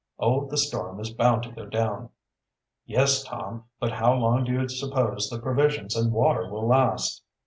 "Oh, the storm is bound to go down." "Yes, Tom, but how long do you suppose the provisions and water will last?"